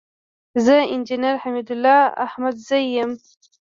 زه انجينر حميدالله احمدزى يم.